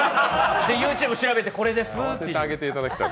ＹｏｕＴｕｂｅ調べて、これですって。